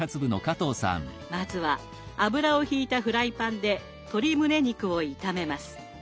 まずは油をひいたフライパンで鶏むね肉を炒めます。